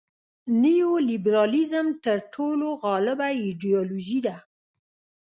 نیولیبرالیزم تر ټولو غالبه ایډیالوژي ده.